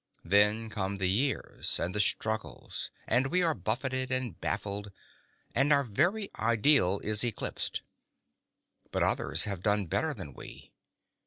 Then come the years and the struggles, and we are buffeted and baffled, and our very ideal is eclipsed. But others have done better than we.